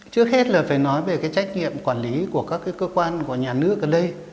trước hết là phải nói về cái trách nhiệm quản lý của các cái cơ quan của nhà nước ở đây